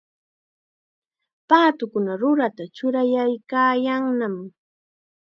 Paatukuna ruruta churaykaayannam.